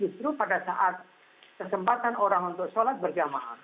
justru pada saat kesempatan orang untuk sholat berjamaah